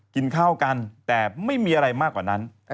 กินข้าวกันแต่ไม่มีอะไรมากกว่านั้น